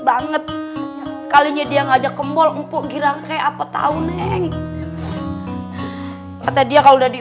banget sekalinya dia ngajak kemul mpok gira ke apa tahunnya neng kata dia kalau udah di